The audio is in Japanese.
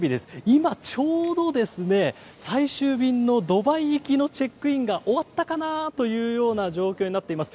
今ちょうど最終便のドバイ行きのチェックインが終わったかなというような状況になっています。